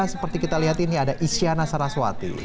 seperti kita lihat ini ada isyana saraswati